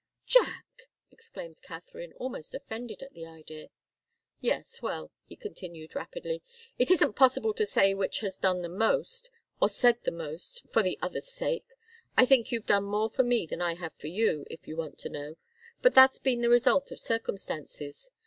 "Jack!" exclaimed Katharine, almost offended at the idea. "Yes well," he continued, rapidly, "it isn't possible to say which has done the most, or said the most, for the other's sake. I think you've done more for me than I have for you, if you want to know but that's been the result of circumstances.